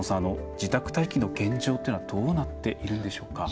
自宅待機の現状というのはどうなっているんでしょうか。